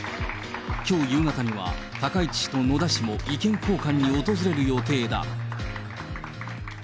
きょう夕方には高市氏と野田氏も意見交換に訪れる予定だ。